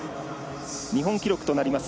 日本記録となります